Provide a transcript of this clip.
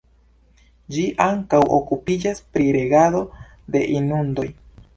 Ĝi ankaŭ okupiĝas pri regado de inundoj.